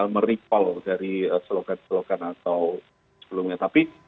meripal dari slogan slogan atau sebelumnya